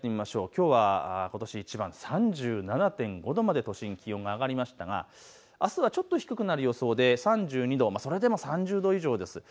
きょうはことしいちばん、３７．５度まで都心は上がりましたたがあすはちょっと低くなる予想で３２度、それでも３０度以上です。